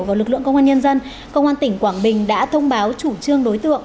và lực lượng công an nhân dân công an tỉnh quảng bình đã thông báo chủ trương đối tượng